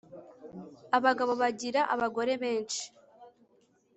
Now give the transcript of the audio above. Abagabo bagira abagore benshi